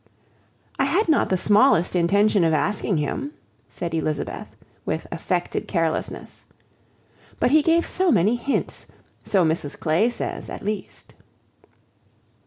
"I had not the smallest intention of asking him," said Elizabeth, with affected carelessness, "but he gave so many hints; so Mrs Clay says, at least."